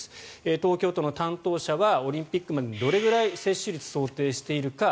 東京都の担当者はオリンピックまでにどれぐらいの接種率を想定しているか。